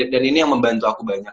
dan ini yang membantu aku banyak